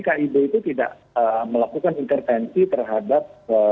kib itu tidak melakukan intervensi terhadap